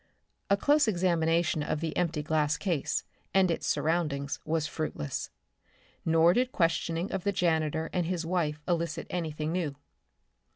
A close examination of the empty glass case and its surroundings was fruitless. Nor did questioning of the janitor and his wife elicit anything new.